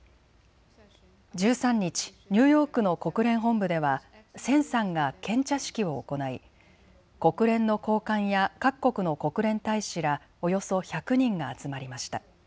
１３日、ニューヨークの国連本部では千さんが献茶式を行い国連の高官や各国の国連大使らおよそ１００人が集まりました。